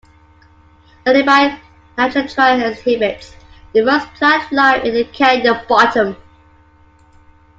A nearby nature trail exhibits the diverse plant life in the canyon bottom.